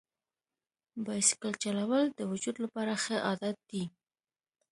بایسکل چلول د وجود لپاره ښه عادت دی.